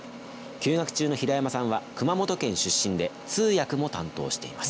休学中の平山さんは熊本県出身で通訳も担当しています。